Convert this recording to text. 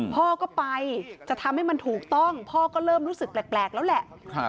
พ่อก็ไปจะทำให้มันถูกต้องพ่อก็เริ่มรู้สึกแปลกแล้วแหละ